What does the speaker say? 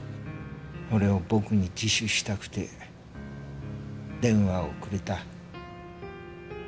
それを僕に自首したくて電話をくれた。